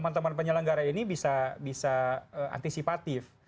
teman teman penyelenggara ini bisa antisipatif